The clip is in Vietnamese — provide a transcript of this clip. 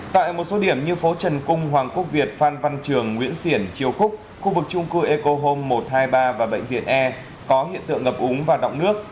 tại một số điểm như phố trần cung hoàng quốc việt phan văn trường nguyễn xiển triều khúc khu vực trung cư eco home một trăm hai mươi ba và bệnh viện e có hiện tượng ngập úng và động nước